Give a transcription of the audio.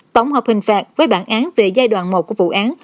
tổng hợp hình phạt với bản án về giai đoạn một của vụ án